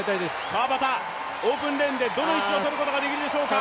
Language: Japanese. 川端、オープンレーンでどの位置をとることができるでしょうか。